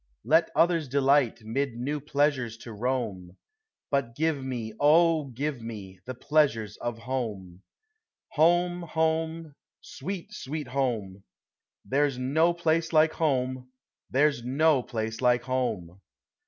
Let others delight mid new pleasures to roam, 330 POEMS OF HOME. But give me, oh, give ine, the pleasures of home! Home! Home! sweet, sweet Home! There 's no place like Home! there 's no place like Home